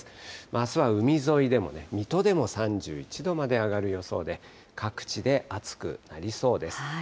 あすは海沿いでも水戸でも３１度まで上がる予想で、各地で暑くなりそうです。